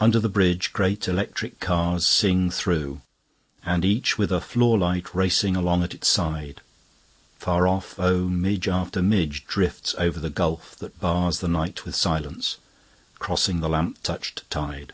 Under the bridgeGreat electric carsSing through, and each with a floor light racing along at its side. Far off, oh, midge after midgeDrifts over the gulf that barsThe night with silence, crossing the lamp touched tide.